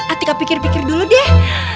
atika pikir pikir dulu deh